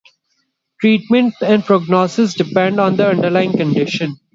Treatment and prognosis depend on the underlying condition.